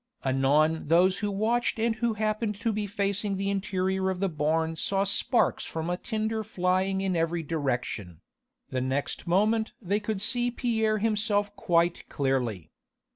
Anon those who watched and who happened to be facing the interior of the barn saw sparks from a tinder flying in every direction: the next moment they could see Pierre himself quite clearly.